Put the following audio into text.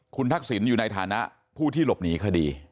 คุณทักษิณอยู่ในฐานะผู้ที่หลบหนีคดี